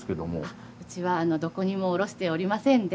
うちはどこにも卸しておりませんで